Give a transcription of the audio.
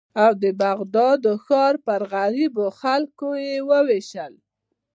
او د بغداد د ښار پر غریبو خلکو یې ووېشل.